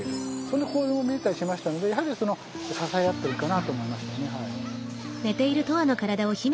そんな行動を見たりしましたのでやはりその支え合っているかなと思いましたねはい。